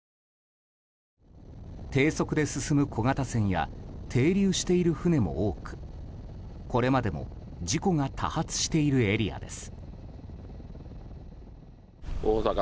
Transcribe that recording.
低速で進む小型船や停留している船も多くこれまでも事故が多発しているエリアです。